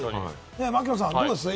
槙野さん、どうですか？